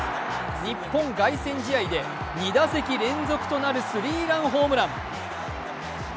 日本凱旋試合で２打席連続となるスリーランホームラン。